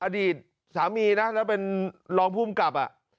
อดีตสามีนะแล้วเป็นรองภูมิกับ